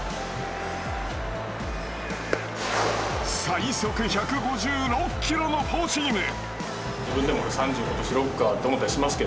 最速１５６キロのフォーシーム。